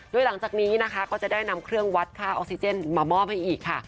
โดยหลังจากนี้นะคะก็จะได้นำเครื่องวัดค่าออกซิเจนมามอบให้อีกค่ะ